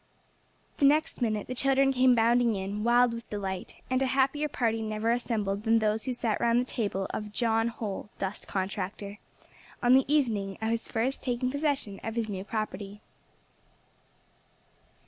The next minute the children came bounding in, wild with delight, and a happier party never assembled than those who sat round the table of "John Holl, Dust Contractor," on the evening of his first taking possession of his new property.